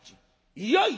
いやいや」。